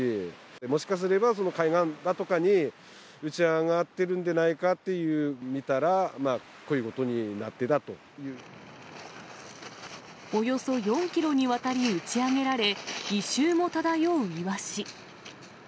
もしかすれば海岸だとかに打ち上がってるんでないかって見たら、およそ４キロにわたり打ち上げられ、異臭も漂うイワシ。